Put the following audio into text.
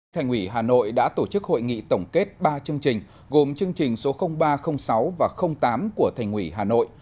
thành ủy hà nội đã tổ chức hội nghị tổng kết ba chương trình gồm chương trình số ba trăm linh sáu và tám của thành ủy hà nội